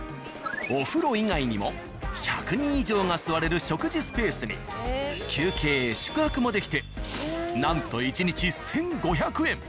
お風呂以外にも１００人以上が座れる食事スペースに休憩宿泊もできてなんと１日１５００円。